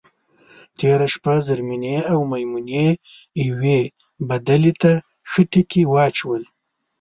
تېره شپه زرمېنې او میمونې یوې بدلې ته ښه ټکي واچول.